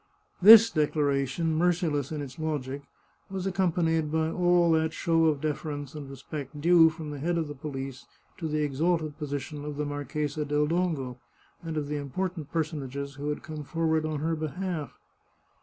This declaration, merciless in its logic, was accompanied by all that show of deference and respect due from the head of the police to the exalted position of the Marchesa del Dongo and of the important personages who had come forward on her behalf.